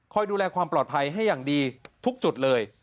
ดูแลความปลอดภัยให้อย่างดีทุกจุดเลย